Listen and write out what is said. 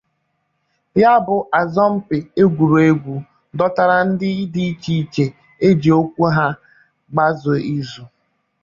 Ya bụ asọmpi egwuregwu dọ́tárá ndị dị iche iche e ji okwu ha agba ìzù